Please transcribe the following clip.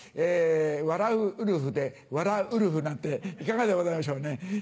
「笑う」「ウルフ」で「わらウルフ」なんていかがでございましょうね？